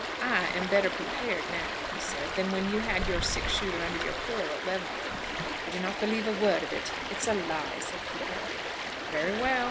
"I am better prepared now," he said, "than when you had your six shooter under your pillow at Leavenworth." "I do not believe a word of it. It's a lie," said Peacocke. "Very well.